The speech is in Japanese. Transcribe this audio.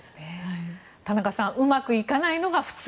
田中さんうまくいかないのが普通。